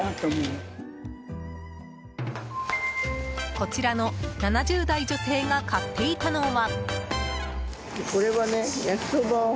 こちらの７０代女性が買っていたのは。